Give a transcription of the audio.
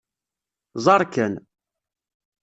Ẓeṛ kan.